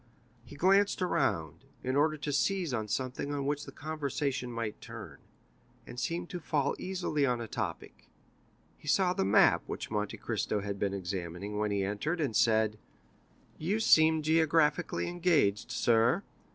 He glanced around, in order to seize on something on which the conversation might turn, and seemed to fall easily on a topic. He saw the map which Monte Cristo had been examining when he entered, and said: "You seem geographically engaged, sir?